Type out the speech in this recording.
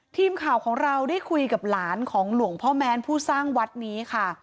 ทีมข่าวของเราได้คุยกับหลานของหลวงพ่อแม้นผู้สร้างวัดนี้ค่ะ